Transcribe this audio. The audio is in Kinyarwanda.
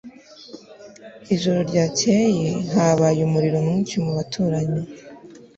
ijoro ryakeye habaye umuriro mwinshi mu baturanyi